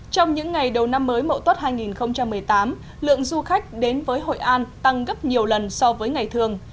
trong những ngày đầu năm mới mậu tuất hai nghìn một mươi tám lượng du khách đến với hội an tăng gấp nhiều lần so với ngày thường